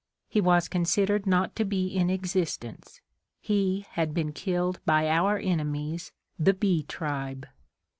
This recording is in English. He was considered not to be in existence he had been killed by our enemies, the Bee tribe.